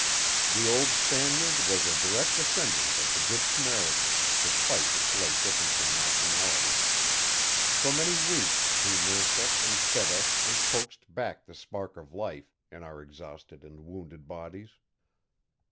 The old Spaniard was a direct descendant of the good Samaritan despite the slight difference in nationality. For many weeks he nursed us and fed us and coaxed back the spark of life in our exhausted and wounded bodies.